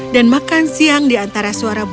dan makan siang di antara suara buah